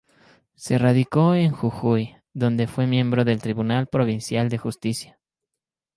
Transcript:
Se radicó en Jujuy, donde fue miembro del tribunal provincial de justicia.